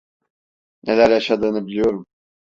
Neler yaşadığını biliyorum.